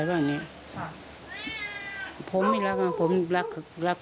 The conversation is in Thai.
อย่างเนี้ยค่ะผมไม่รักมาผมรักรักแม่ก็เอิ้นแล้วคุณ